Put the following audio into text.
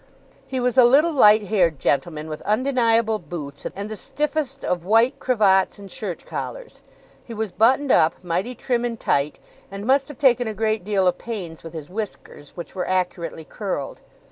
He was a little light haired gentleman, with undeniable boots, and the stiffest of white cravats and shirt collars. He was buttoned up, mighty trim and tight, and must have taken a great deal of pains with his whiskers, which were accurately curled.